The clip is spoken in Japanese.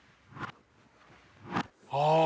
ああ。